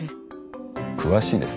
詳しいですね。